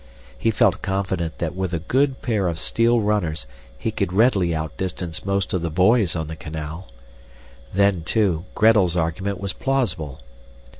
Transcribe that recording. He felt confident that with a good pair of steel runners he could readily outdistance most of the boys on the canal. Then, too, Gretel's argument was plausible.